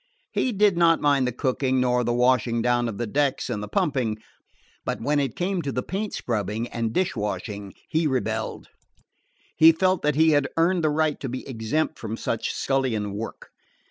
He did not mind the cooking, nor the washing down of the decks and the pumping; but when it came to the paint scrubbing and dishwashing he rebelled. He felt that he had earned the right to be exempt from such scullion work.